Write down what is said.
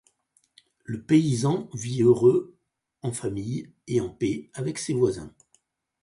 Le paysan vit heureux en famille et en paix avec ses voisins.